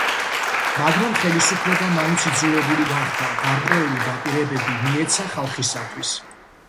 მაგრამ ხელისუფლება მაინც იძულებული გახდა გარკვეული დაპირებები მიეცა ხალხისათვის.